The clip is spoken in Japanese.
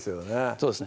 そうですね